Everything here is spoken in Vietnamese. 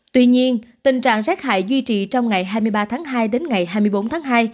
tuy nhiên tình trạng rét hại duy trì trong ngày hai mươi ba tháng hai đến ngày hai mươi bốn tháng hai